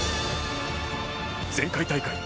前回大会